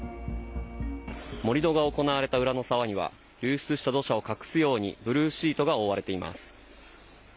盛り土が行われた裏の沢には流出した土砂を隠すようにブルーシートが覆われています。